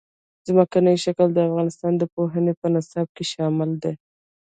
ځمکنی شکل د افغانستان د پوهنې په نصاب کې شامل دي.